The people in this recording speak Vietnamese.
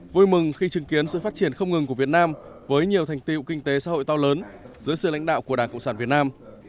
vui mừng khi chứng kiến sự phát triển không ngừng của việt nam với nhiều thành tiệu kinh tế xã hội to lớn dưới sự lãnh đạo của đảng cộng sản việt nam